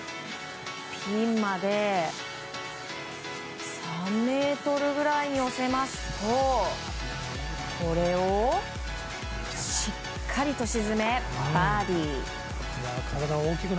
ピンまで３ｍぐらいに寄せますとこれをしっかりと沈めバーディー。